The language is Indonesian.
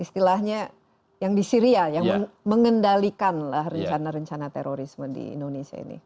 istilahnya yang di syria yang mengendalikan lah rencana rencana terorisme di indonesia ini